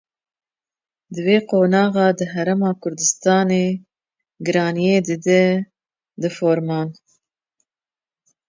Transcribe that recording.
Di vê qonaxê de Herêma Kurdistanê giraniyê dide reforman.